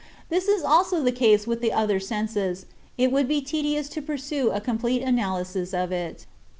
This is also the case with the other senses; it would be tedious to pursue a complete analysis of it.